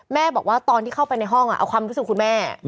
บอกว่าตอนที่เข้าไปในห้องเอาความรู้สึกคุณแม่